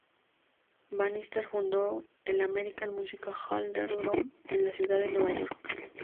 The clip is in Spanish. Bannister fundó el American Music Hall Theatre Group en la ciudad de Nueva York.